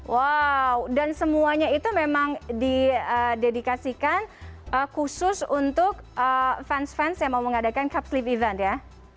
wow dan semuanya itu memang didedikasikan khusus untuk fans fans yang mau mengadakan capslep event ya